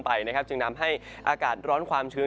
ไปนะครับจึงนำให้อากาศร้อนความชื้น